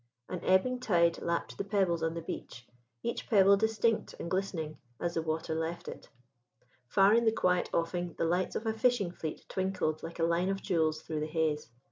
An ebbing tide lapped the pebbles on the beach, each pebble distinct and glistening as the water left it. Far in the quiet offing the lights of a fishing fleet twinkled like a line of jewels through the haze.